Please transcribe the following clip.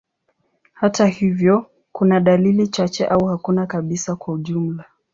Hata hivyo, kuna dalili chache au hakuna kabisa kwa ujumla.